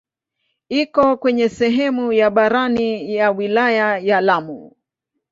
Iko kwenye sehemu ya barani ya wilaya ya Lamu.